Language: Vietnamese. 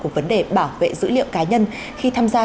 về bảo vệ dữ liệu cá nhân khi tham gia